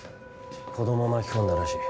子ども巻き込んだらしい。